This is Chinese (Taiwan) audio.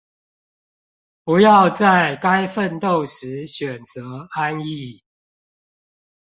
不要在該奮鬥時選擇安逸